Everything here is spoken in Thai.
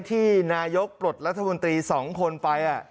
ที่นายกรัฐมนตรีสองคนไป